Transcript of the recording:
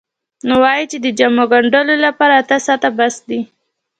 نو وایي چې د جامو ګنډلو لپاره اته ساعته بس دي.